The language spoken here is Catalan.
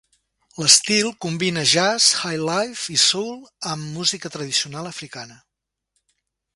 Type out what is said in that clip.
L'estil combina jazz, highlife i soul amb música tradicional africana.